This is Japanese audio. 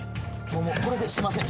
これですいません。